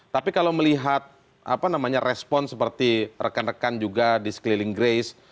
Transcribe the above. tapi kalau melihat respon seperti rekan rekan juga di sekeliling grace